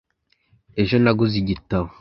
Ejo naguze igitabo .